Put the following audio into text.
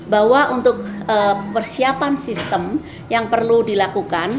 bahwa untuk persiapan sistem yang perlu dilakukan